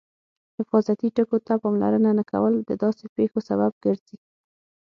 حفاظتي ټکو ته پاملرنه نه کول د داسې پېښو سبب ګرځي.